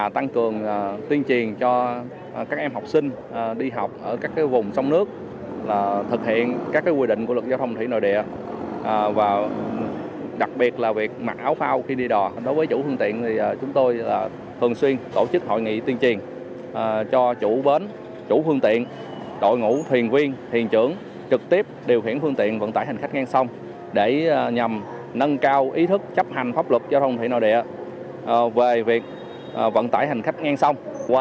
tăng cường tuyên truyền cho người dân sinh sống ở các khu vực dân cư các người dân sinh sống ở